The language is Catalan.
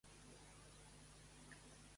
En què va col·laborar de la Universitat de Delhi?